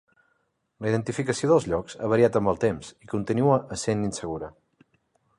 La identificació dels llocs ha variat amb el temps i continua essent insegura.